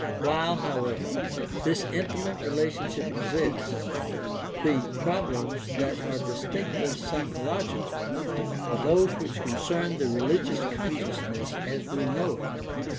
While, however, this intimate relationship exists, the problems that are dis tinctly psychological are those which concern the religious consciousness as we know it.